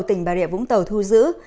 tỉnh bà rịa vũng tàu thu giữ